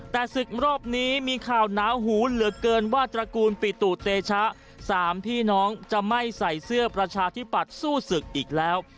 แต่ศึกรอบนี้มีข่าวหนาวหูเหลือเกินว่าตระกูลปิตุเตชะสามพี่น้องจะไม่ใส่เสื้อประชาธิปัตย์สู้ศึกอีกแล้ว